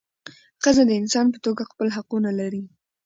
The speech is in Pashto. ښځه د انسان په توګه خپل حقونه لري .